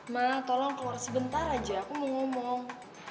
mak tolong keluar sebentar aja aku mau ngomong